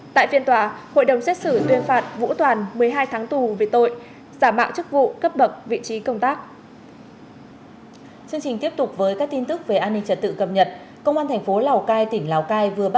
tại phiên tòa hội đồng xét xử tuyên phạt vũ toàn một mươi hai tháng tù về tội giả mạo chức vụ cấp bậc vị trí công tác